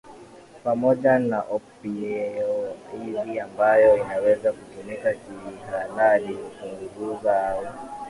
pamoja na opioidi ambayo inaweza kutumika kihalali hupunguza au